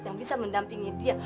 yang bisa mendampingi dia